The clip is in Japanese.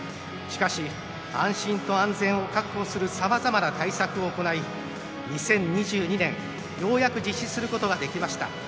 しかし、安心と安全を確保するさまざまな対策を行い２０２２年、ようやく実施することができました。